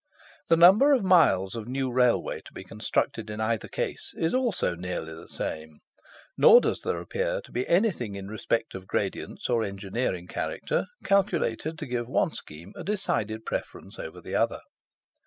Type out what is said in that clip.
The number of miles of new Railway to be constructed in either case is also nearly the same; nor does there appear to be anything in respect of gradients or engineering character calculated to give one scheme a decided preference over the other.